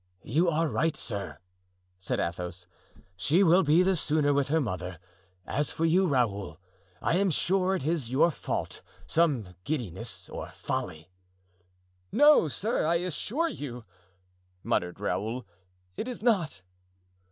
"You are right, sir," said Athos. "She will be the sooner with her mother. As for you, Raoul, I am sure it is your fault, some giddiness or folly." "No, sir, I assure you," muttered Raoul, "it is not."